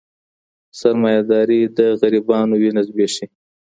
سرمایه داري د غریبانو وینه زبېښي.